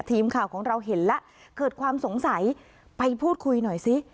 ทีมข่าวของเราเห็นแล้วเกิดความสงสัยไปพูดคุยหน่อยซิ